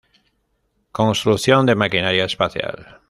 Construcción de maquinaria espacial.